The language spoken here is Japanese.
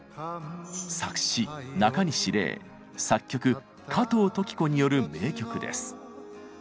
作詞なかにし礼作曲加藤登紀子による名曲です。